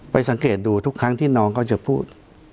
สังเกตดูทุกครั้งที่น้องเขาจะพูด